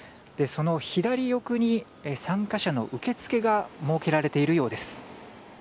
その左奥に参加者の受け付けが設けられているようです。